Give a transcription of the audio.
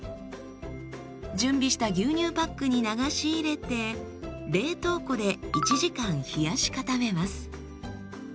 準備した牛乳パックに流し入れて冷凍庫で１時間冷やし固めます。